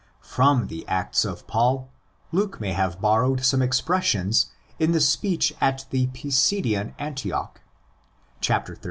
From the Acts of Paul Luke may have borrowed some expressions in the speech at the Pisidian Antioch (xiii.